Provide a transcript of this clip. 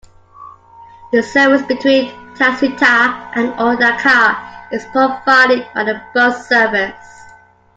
The service between Tatsuta and Odaka is provided by a bus service.